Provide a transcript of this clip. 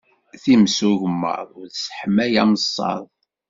Times ugemmaḍ, ur tesseḥmay ameṣṣaḍ.